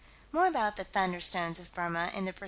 More about the "thunderstones" of Burma, in the _Proc.